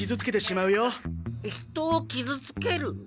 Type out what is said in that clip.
人をきずつける？